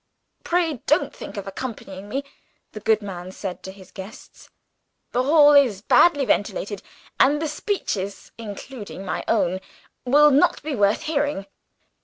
"Pray don't think of accompanying me," the good man said to his guests. "The hall is badly ventilated, and the speeches, including my own, will not be worth hearing."